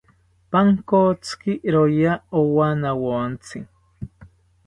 Pankotziki roya owanawontzi